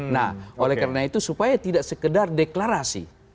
nah oleh karena itu supaya tidak sekedar deklarasi